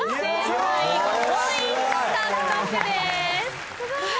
５ポイント獲得です。